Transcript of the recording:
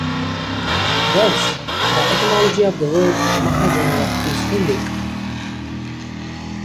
Thus, the etymology of the word "Mahajanga" is Indic.